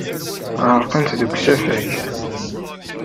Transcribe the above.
Ɛerqent deg usafag.